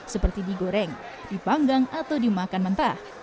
seperti digoreng dipanggang atau dimakan mentah